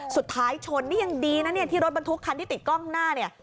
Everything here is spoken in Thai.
สุดท้ายชนนี่ยังดีนะเนี่ยที่รถบรรทุกคันที่ติดกล้องหน้าเนี่ย